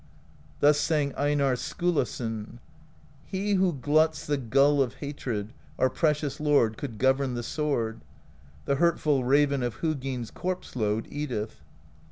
Thus sang Einarr Skulason: He who gluts the Gull of Hatred, Our precious lord, could govern The sword; the hurtful raven Of Huginn's corpse load eateth.